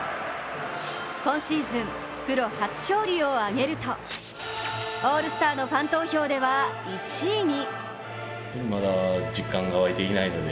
今シーズン、プロ初勝利をあげるとオールスターのファン投票では１位に。